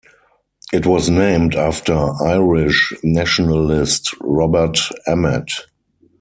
It was named after Irish nationalist Robert Emmet.